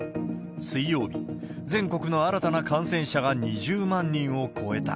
水曜日、全国の新たな感染者が２０万人を超えた。